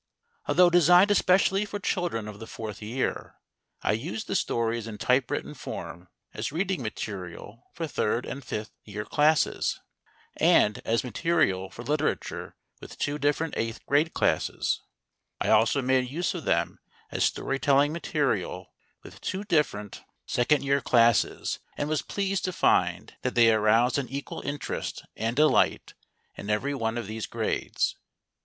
Although designed especially for children of the fourth year, I used the stories in type written form as reading material for third and fifth year classes, and as material for literature with two different eighth grade classes^ I also made use of them as story telling material with two different second year 5 6 Introduction classes, and was pleased to find that they aroused an equal interest and delight in every one of these grades.